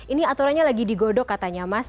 ini aturannya lagi digodok katanya mas